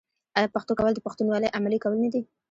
آیا پښتو کول د پښتونولۍ عملي کول نه دي؟